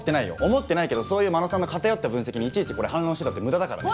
思ってないけどそういう真野さんの偏った分析にいちいち反論してたって無駄だからね。